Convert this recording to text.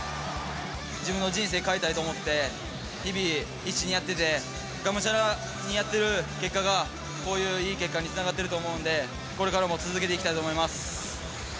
自分の人生変えたいと思って、日々必死にやってて、がむしゃらにやってる結果がこういういい結果につながっていると思うので、これからも続けていきたいと思います。